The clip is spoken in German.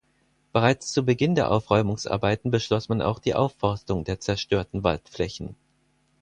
Bereits zu Beginn der Aufräumungsarbeiten beschloss man auch die Aufforstung der zerstörten Waldflächen.